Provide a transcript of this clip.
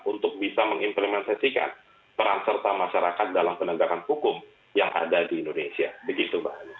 untuk bisa mengimplementasikan peran serta masyarakat dalam penegakan hukum yang ada di indonesia